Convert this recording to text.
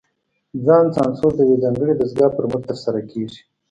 ځان سانسور د یوې ځانګړې دستګاه پر مټ ترسره کېږي.